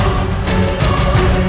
aku tak bisa